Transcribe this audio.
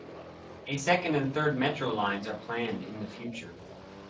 A second and third metro lines are planned in the future.